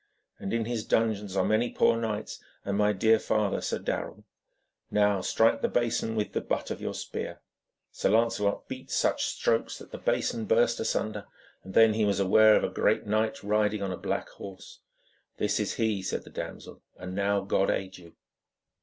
And in his dungeons are many poor knights, and my dear father, Sir Darrel. Now strike the bason with the butt of your spear.' Sir Lancelot beat such strokes that the bason burst asunder, and then he was aware of a great knight riding on a black horse. 'This is he,' said the damsel, 'and now God aid you!'